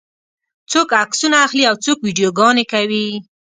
څوک عکسونه اخلي او څوک ویډیوګانې کوي.